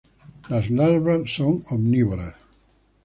Las larvas son omnívoras.